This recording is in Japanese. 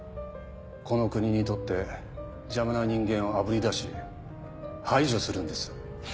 この国にとって邪魔な人間をあぶり出し排除するんです。